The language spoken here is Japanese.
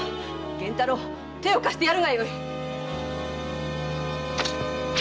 源太郎手を貸してやるがよい！